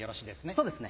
そうですね。